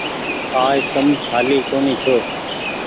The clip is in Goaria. آج تم ڪآلي ڪونيٚ ڇو ۔